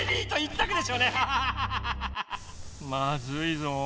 まずいぞ。